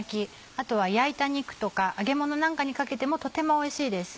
あとは焼いた肉とか揚げ物なんかにかけてもとてもおいしいです。